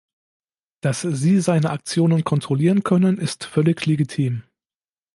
Dass Sie seine Aktionen kontrollieren können, ist völlig legitim.